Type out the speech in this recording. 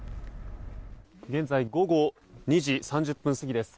現在午後２時３０分過ぎです。